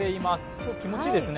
今日、気持ちいいですね。